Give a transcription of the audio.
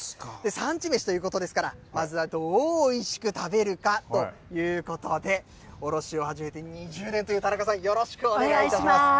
産地めしということですから、まずはどうおいしく食べるかということで、卸しを始めて２０年という田中さん、よろしくお願いします。